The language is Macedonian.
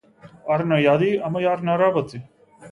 Арно јади, ама и арно работи.